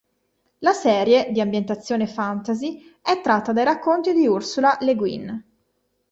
La serie, di ambientazione fantasy, è tratta dai racconti di Ursula Le Guin.